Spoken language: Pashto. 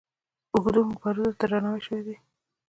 هغو اوږدو مبارزو ته درناوی شوی دی.